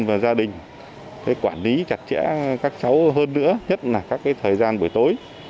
và gia đình quản lý chặt chẽ các cháu hơn nữa nhất là các thời gian buổi tối